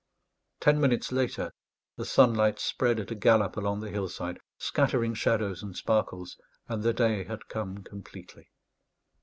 Ten minutes later, the sunlight spread at a gallop along the hillside, scattering shadows and sparkles, and the day had come completely.